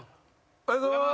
おはようございます。